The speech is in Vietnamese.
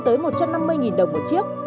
tới một trăm năm mươi đồng một chiếc